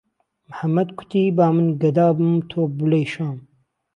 محەممەد کوتی با من گهدا بم تۆ بلێی شام